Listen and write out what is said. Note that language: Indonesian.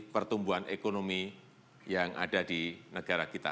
pertumbuhan ekonomi yang ada di negara kita